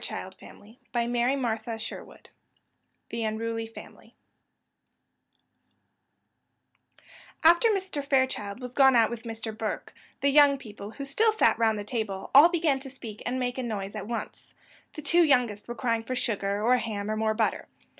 The Unruly Family [Illustration: They had a game at marbles] After Mr. Fairchild was gone out with Mr. Burke, the young people, who still sat round the table, all began to speak and make a noise at once. The two youngest were crying for sugar, or ham, or more butter.